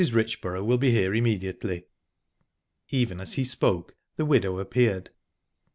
Richborough will be here immediately." Even as he spoke, the widow appeared.